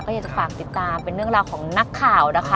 ก็อยากจะฝากติดตามเป็นเรื่องราวของนักข่าวนะคะ